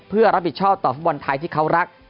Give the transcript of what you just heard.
เพื่อรับผิดชอบต่อฟุตบอลไทยที่เขารัก